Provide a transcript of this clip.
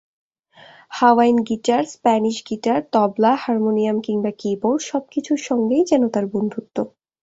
Hawaiian guitar, Spanish guitar, tabla, harmonium কিংবা কি-বোর্ড—সবকিছুর সঙ্গেই যেন তার বন্ধুত্ব।